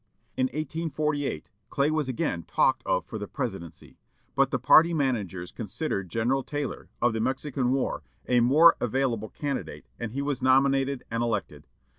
In 1848, Clay was again talked of for the presidency, but the party managers considered General Taylor, of the Mexican War, a more available candidate, and he was nominated and elected.